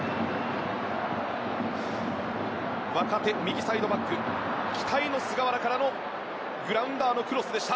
若手右サイドバック期待の菅原からのグラウンダーのクロスでした。